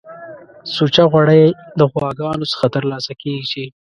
سوچه غوړی د غواګانو څخه ترلاسه کیږی